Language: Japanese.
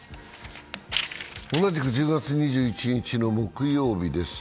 同じく１０月２１日の木曜日です。